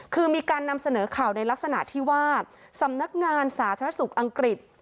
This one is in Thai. คือมีการนำเสนอข่าวในลักษณะที่ว่าสำนักงานสาธารณสุขอังกฤษ